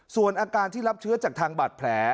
ส่วนอาการที่รับเชื้อจากทางบาดแผล